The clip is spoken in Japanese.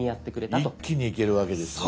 一気にいけるわけですね。